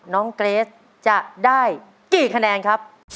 เกรสจะได้กี่คะแนนครับ